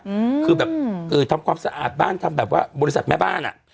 อืมคือแบบเออทำความสะอาดบ้านทำแบบว่าบริษัทแม่บ้านอ่ะ